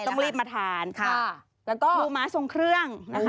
ต้องรีบมาทานค่ะแล้วก็ปูม้าทรงเครื่องนะคะ